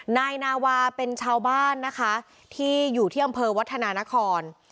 นายนาวาเป็นชาวบ้านนะคะที่อยู่ที่อำเภอวัฒนานคร